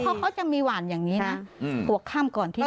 เขาเขาจะมีหวานอย่างนี้น่ะอืมหวกข้ามก่อนที่นอกก่อนนอน